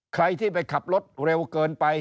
ใครที่ไปขับรถเร็วเกินไป